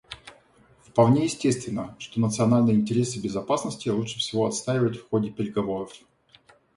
Вполне естественно, что национальные интересы безопасности лучше всего отстаивать в ходе переговоров.